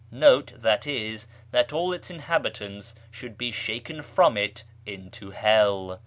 1 ^ I.e. That all its inhabitants should be shaken from it into hell.